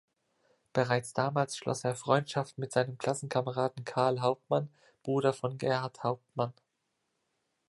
Bereits damals schloss er Freundschaft mit seinem Klassenkameraden Carl Hauptmann, Bruder von Gerhart Hauptmann.